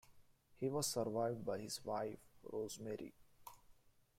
He was survived by his wife, Rosemary.